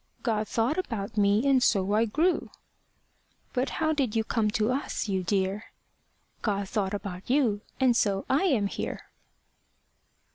God thought about me, and so I grew. But how did you come to us, you dear? God thought about you, and so I am here.